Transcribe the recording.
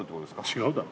違うやろ。